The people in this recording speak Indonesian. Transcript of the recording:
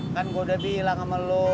kan gua udah bilang sama lu